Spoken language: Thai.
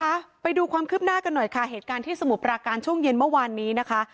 ไปดูความคืบหน้ากันหน่อยค่ะเหตุการณ์ที่สมุทรปราการช่วงเย็นเมื่อวานนี้นะคะ